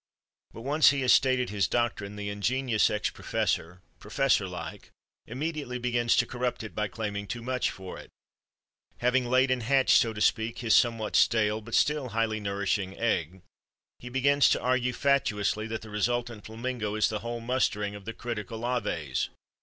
But once he has stated his doctrine, the ingenious ex professor, professor like, immediately begins to corrupt it by claiming too much for it. Having laid and hatched, so to speak, his somewhat stale but still highly nourishing egg, he begins to argue fatuously that the resultant flamingo is the whole mustering of the critical Aves.